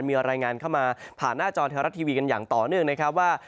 มีรายงานเข้ามาผ่านหน้าจอไทยรัฐทีวีกันอย่างต่อเนื่องนะครับว่า